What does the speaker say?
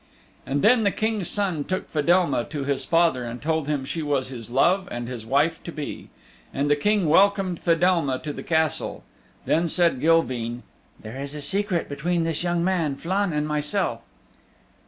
And then the King's Son took Fedelma to his father and told him she was his love and his wife to be. And the King welcomed Fedelma to the Castle. Then said Gilveen, "There is a secret between this young man, Flann, and myself."